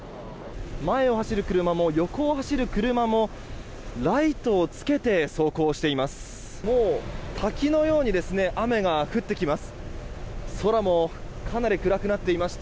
前を走る車も横を走る車もライトをつけて走行しています。